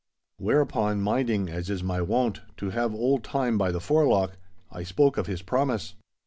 Whereupon, minding, as is my wont, to have old Time by the forelock, I spoke of his promise.